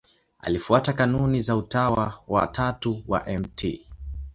Alifuata kanuni za Utawa wa Tatu wa Mt.